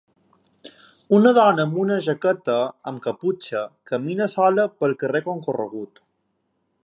Una dona amb una jaqueta amb caputxa camina sola pel carrer concorregut.